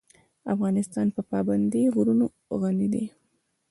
افغانستان په پابندی غرونه غني دی.